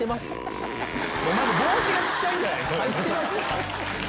帽子が小っちゃいんじゃないの？